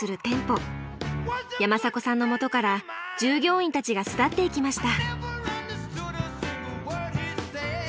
山迫さんのもとから従業員たちが巣立っていきました。